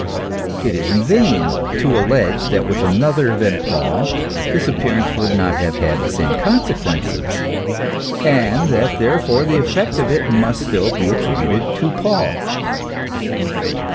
It is in vain to allege that with another than Paul this appear ance would not have had the same consequences, and that therefore the effect of it must still be attributed to Paul.